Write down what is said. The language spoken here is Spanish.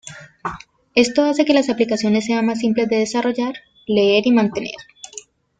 Esto hace que las aplicaciones sean más simples de desarrollar, leer y mantener.